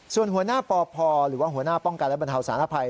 ส่วนหัวหน้าปพหรือว่าหัวหน้าป้องกันและบรรเทาสารภัย